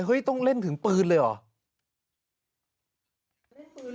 เห้ยต้องเล่นถึงปืนเลยหรอ